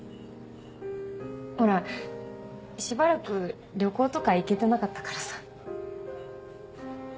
ほらしばらく旅行とか行けてなかったからさ。